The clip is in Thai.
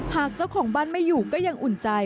หากเจ้าของบ้านไม่อยู่ก็ยังอุ่นใจ